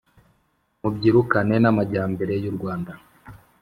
Mubyirukane n'amajyambere y'u Rwanda